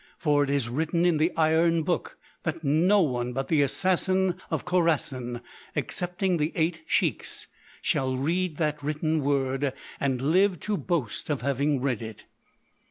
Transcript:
For it is written in The Iron Book that no one but the Assassin of Khorassan—excepting the Eight Sheiks—shall read that written word and live to boast of having read it."